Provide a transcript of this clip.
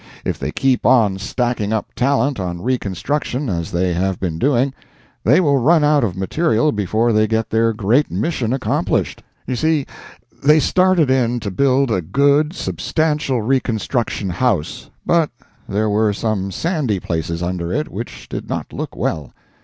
If they keep on stacking up talent on reconstruction as they have been doing, they will run out of material before they get their great mission accomplished. You see, they started in to build a good, substantial reconstruction house, but there were some sandy places under it which did not look well.